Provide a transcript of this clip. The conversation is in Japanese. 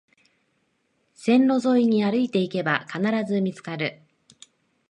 線路沿いに歩いていけば必ず見つかる